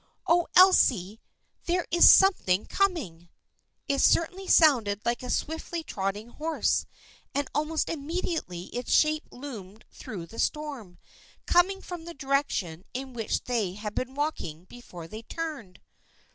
Oh, Elsie, there is something coming !" It certainly sounded like a swiftly trotting horse, and almost immediately its shape loomed through the storm, coming from the direction in which they had been walking before they turned.